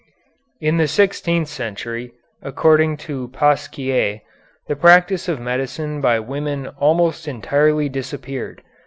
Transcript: "In the sixteenth century, according to Pasquier, the practice of medicine by women almost entirely disappeared.